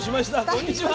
こんにちは！